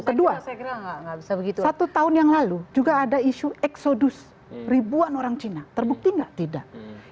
kedua bisa begitu satu tahun yang lalu juga ada isu exodus ribuan orang cina terbukti enggak tidak